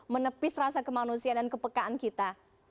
menepis rasa kemanusiaan dan kepekaan kita